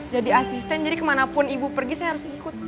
jadi asisten jadi kemana pun ibu pergi saya harus ikut